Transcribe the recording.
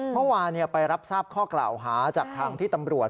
เมื่อวานไปรับทราบข้อกล่าวหาจากทางที่ตำรวจ